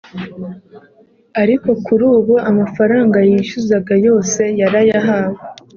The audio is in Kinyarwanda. Ariko kuri ubu amafaranga yishyuzaga yose yarayahawe